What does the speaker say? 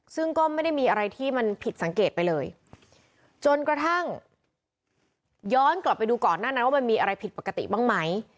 ซึ่งก็ไม่ได้มีอะไรที่มันผิดสังเกตไปเลยจนกระทั่งย้อนกลับไปดูก่อนหน้านั้นว่ามันมีอะไรผิดปกติบ้างไหม